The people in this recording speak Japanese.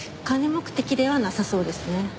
金目的ではなさそうですね。